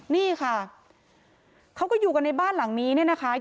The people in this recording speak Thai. นี่ค่ะเขาก็อยู่กันในบ้านหลังนี้เนี่ยนะคะ